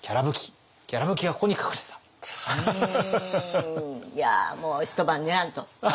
いやもう一晩練らんと。